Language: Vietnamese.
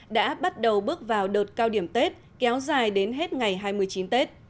đã bắt đầu bước vào đợt cao điểm tết kéo dài đến hết ngày hai mươi chín tết